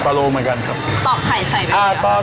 ๒๐กว่าโลมากกันครับ